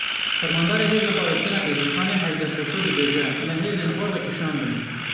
Fermandarê Hêza Parastina Êzîdxanê Heyder Şeşo dibêje, Me hêzên xwe vekişandin.